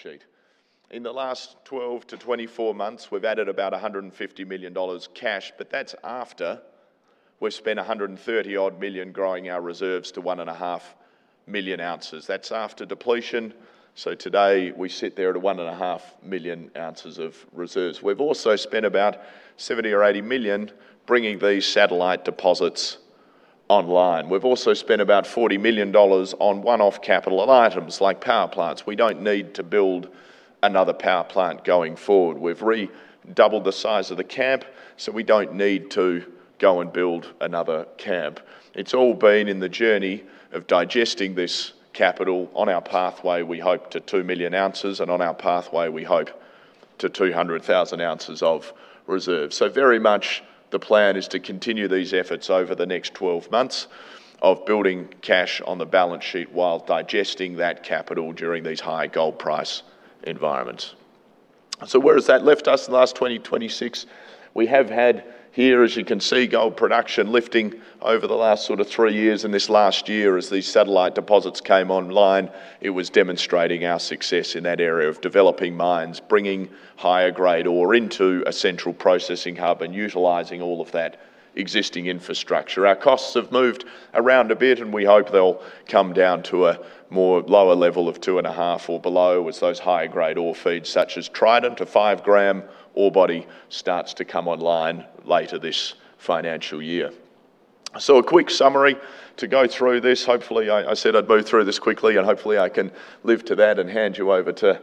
sheet. In the last 12-24 months, we've added about 150 million dollars cash, but that's after we've spent 130-odd million growing our reserves to 1.5 million ounces. That's after depletion. Today, we sit there at 1.5 million ounces of reserves. We've also spent about 70 million or 80 million bringing these satellite deposits online. We've also spent about 40 million dollars on one-off capital items like power plants. We don't need to build another power plant going forward. We've redoubled the size of the camp, we don't need to go and build another camp. It's all been in the journey of digesting this capital on our pathway, we hope, to 2 million ounces, and on our pathway, we hope, to 200,000 oz of reserves. Very much the plan is to continue these efforts over the next 12 months of building cash on the balance sheet while digesting that capital during these high gold price environments. Where has that left us in the last 2026? We have had here, as you can see, gold production lifting over the last sort of three years. This last year, as these satellite deposits came online, it was demonstrating our success in that area of developing mines, bringing higher grade ore into a central processing hub, and utilizing all of that existing infrastructure. Our costs have moved around a bit, and we hope they'll come down to a more lower level of 2.5 or below as those higher grade ore feeds, such as Trident, a 5 g ore body, starts to come online later this financial year. A quick summary to go through this. I said I'd move through this quickly, and hopefully, I can live to that and hand you over to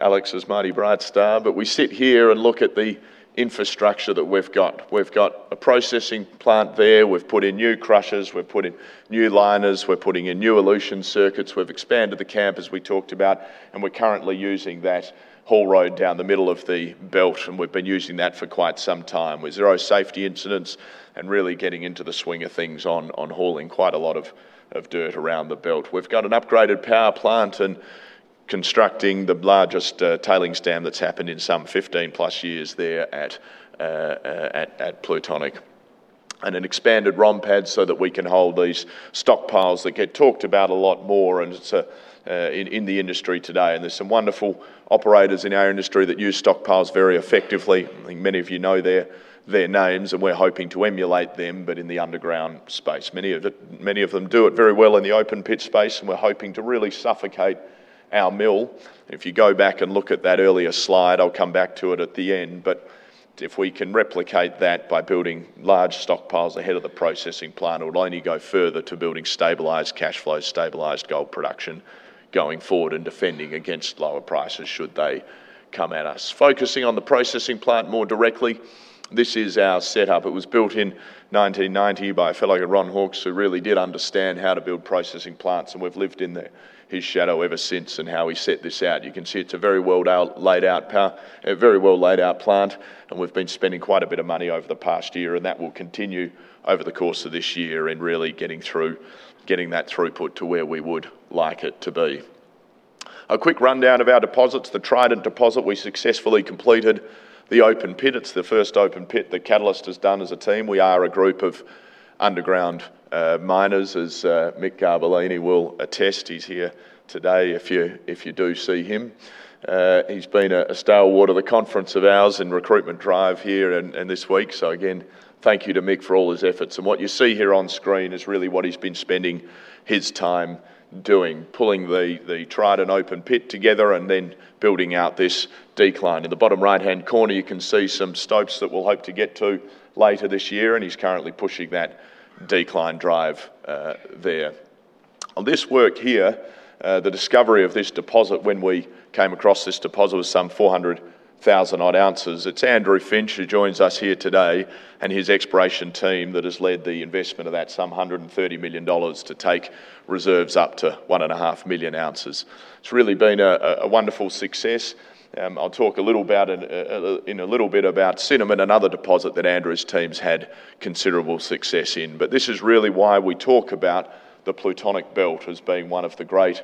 Alex as Managing Director, Brightstar. We sit here and look at the infrastructure that we've got. We've got a processing plant there. We've put in new crushers. We've put in new liners. We're putting in new elution circuits. We've expanded the camp, as we talked about, and we're currently using that haul road down the middle of the belt, and we've been using that for quite some time with zero safety incidents and really getting into the swing of things on hauling quite a lot of dirt around the belt. We've got an upgraded power plant and constructing the largest tailings dam that's happened in some 15+ years there at Plutonic. An expanded ROM pad so that we can hold these stockpiles that get talked about a lot more in the industry today. There's some wonderful operators in our industry that use stockpiles very effectively. I think many of you know their names, and we're hoping to emulate them, but in the underground space. Many of them do it very well in the open pit space, and we're hoping to really suffocate our mill. If you go back and look at that earlier slide, I'll come back to it at the end, if we can replicate that by building large stockpiles ahead of the processing plant, it will only go further to building stabilized cash flow, stabilized gold production going forward and defending against lower prices should they come at us. Focusing on the processing plant more directly, this is our setup. It was built in 1990 by a fellow, Ron Hawkes, who really did understand how to build processing plants, and we've lived in his shadow ever since and how he set this out. You can see it's a very well laid out plant, and we've been spending quite a bit of money over the past year, and that will continue over the course of this year and really getting that throughput to where we would like it to be. A quick rundown of our deposits. The Trident deposit, we successfully completed the open pit. It's the first open pit that Catalyst has done as a team. We are a group of underground miners, as Mick Garbellini will attest. He's here today if you do see him. He's been a stalwart of the conference of ours and recruitment drive here and this week. Again, thank you to Mick for all his efforts. What you see here on screen is really what he's been spending his time doing, pulling the Trident open pit together and then building out this decline. In the bottom right-hand corner, you can see some stopes that we'll hope to get to later this year, and he's currently pushing that decline drive there. On this work here, the discovery of this deposit when we came across this deposit was some 400,000 oz odd. It's Andrew Finch, who joins us here today, and his exploration team that has led the investment of that some 130 million dollars to take reserves up to one and a half million ounces. It's really been a wonderful success. I'll talk in a little bit about Cinnamon, another deposit that Andrew's team's had considerable success in. This is really why we talk about the Plutonic belt as being one of the great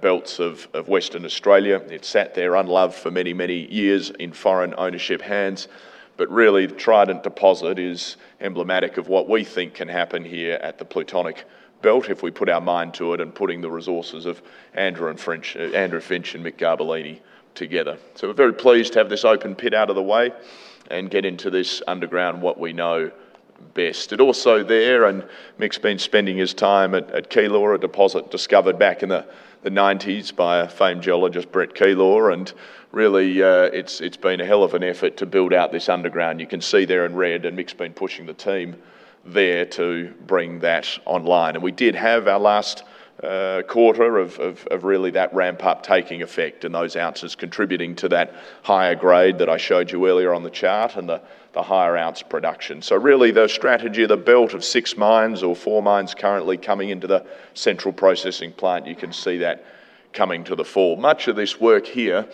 belts of Western Australia. It sat there unloved for many, many years in foreign ownership hands. Really, the Trident deposit is emblematic of what we think can happen here at the Plutonic belt if we put our mind to it and putting the resources of Andrew Finch and Mick Garbellini together. We're very pleased to have this open pit out of the way and get into this underground, what we know best. Also there, Mick's been spending his time at Kaylor, a deposit discovered back in the 1990s by a famed geologist, Brett Kaylor. Really, it's been a hell of an effort to build out this underground. You can see there in red, and Mick's been pushing the team there to bring that online. We did have our last quarter of really that ramp-up taking effect and those ounces contributing to that higher grade that I showed you earlier on the chart and the higher ounce production. Really, the strategy of the belt of six mines or four mines currently coming into the central processing plant, you can see that coming to the fore. Much of this work here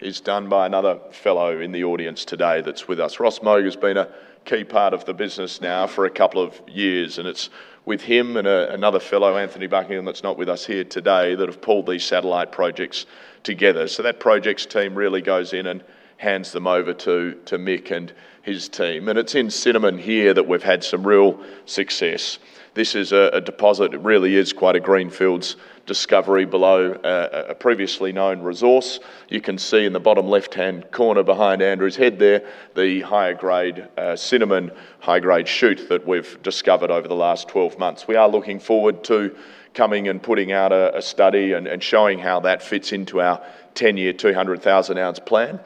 is done by another fellow in the audience today that's with us. Ross Moger's been a key part of the business now for a couple of years. It's with him and another fellow, Anthony Buckingham, that's not with us here today, that have pulled these satellite projects together. That projects team really goes in and hands them over to Mick and his team. It's in Cinnamon here that we've had some real success. This is a deposit. It really is quite a greenfields discovery below a previously known resource. You can see in the bottom left-hand corner behind Andrew's head there, the higher grade Cinnamon, high grade shoot that we've discovered over the last 12 months. We are looking forward to coming and putting out a study and showing how that fits into our 10-year, 200,000 oz plan.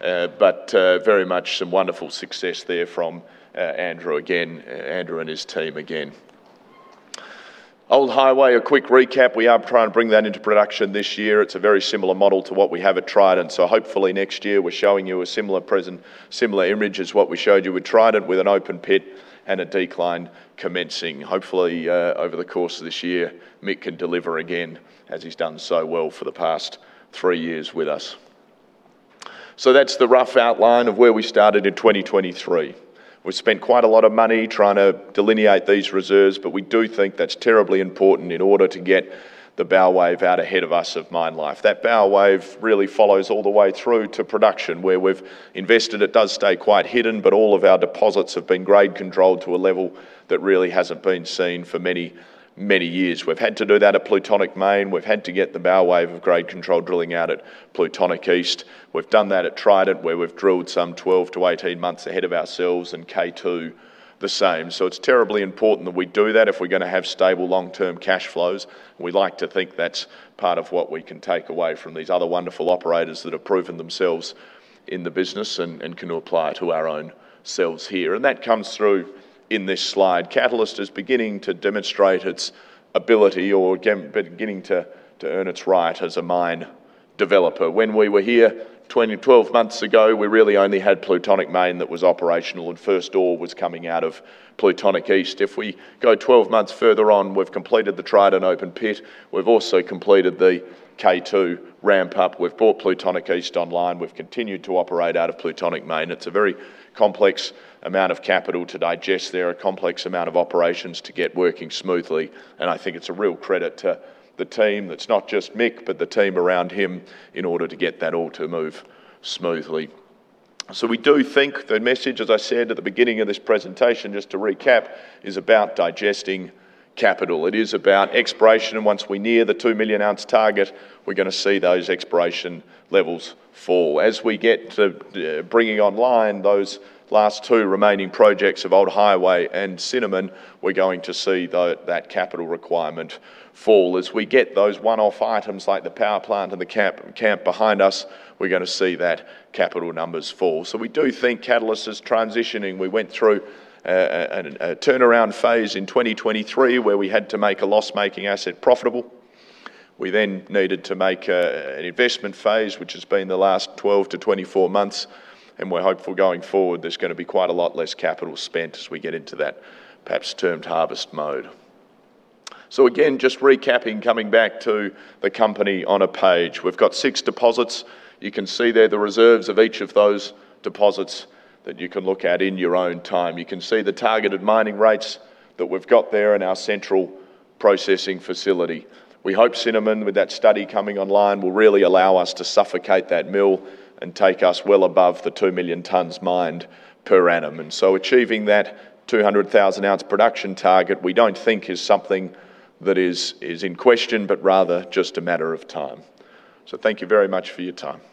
Very much some wonderful success there from Andrew and his team again. Old Highway, a quick recap. We are trying to bring that into production this year. It's a very similar model to what we have at Trident, so hopefully next year we're showing you a similar image as what we showed you with Trident with an open pit and a decline commencing. Hopefully, over the course of this year, Mick can deliver again as he's done so well for the past three years with us. That's the rough outline of where we started in 2023. We've spent quite a lot of money trying to delineate these reserves, but we do think that's terribly important in order to get the bow wave out ahead of us of mine life. That bow wave really follows all the way through to production where we've invested. It does stay quite hidden, but all of our deposits have been grade controlled to a level that really hasn't been seen for many years. We've had to do that at Plutonic Main. We've had to get the bow wave of grade control drilling out at Plutonic East. We've done that at Trident, where we've drilled some 12-18 months ahead of ourselves, and K2, the same. It's terribly important that we do that if we're going to have stable long-term cash flows. We like to think that's part of what we can take away from these other wonderful operators that have proven themselves in the business and can apply it to our own selves here. That comes through in this slide. Catalyst is beginning to demonstrate its ability or beginning to earn its right as a mine developer. When we were here 12 months ago, we really only had Plutonic Main that was operational and first ore was coming out of Plutonic East. If we go 12 months further on, we've completed the Trident open pit. We've also completed the K2 ramp up. We've brought Plutonic East online. We've continued to operate out of Plutonic Main. It's a very complex amount of capital to digest there, a complex amount of operations to get working smoothly, and I think it's a real credit to the team. That's not just Mick, but the team around him in order to get that all to move smoothly. We do think the message, as I said at the beginning of this presentation, just to recap, is about digesting capital. It is about exploration. Once we near the 2 million ounce target, we're going to see those exploration levels fall. As we get to bringing online those last two remaining projects of Old Highway and Cinnamon, we're going to see that capital requirement fall. As we get those one-off items like the power plant and the camp behind us, we're going to see that capital numbers fall. We do think Catalyst is transitioning. We went through a turnaround phase in 2023 where we had to make a loss-making asset profitable. We needed to make an investment phase, which has been the last 12-24 months. We're hopeful going forward there's going to be quite a lot less capital spent as we get into that perhaps termed harvest mode. Again, just recapping, coming back to the company on a page. We've got six deposits. You can see there the reserves of each of those deposits that you can look at in your own time. You can see the targeted mining rates that we've got there in our central processing facility. We hope Cinnamon, with that study coming online, will really allow us to suffocate that mill and take us well above the 2 million tons mined per annum. Achieving that 200,000 oz production target, we don't think is something that is in question, but rather just a matter of time. Thank you very much for your time.